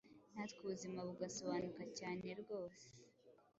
natwe ubuzima bugasobanuka cyane erwose.